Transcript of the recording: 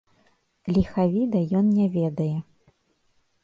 Ліхавіда ён не ведае.